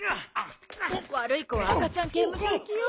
悪い子は赤ちゃん刑務所行きよ？